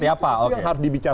setelah itu seperti apa